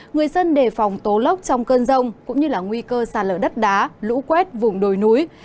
người dân đề phòng tố lốc trong cơn rộng cũng như nguy cơ xả lở đất đá lũ quét vùng đồi núi